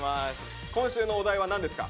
今週のお題は何ですか？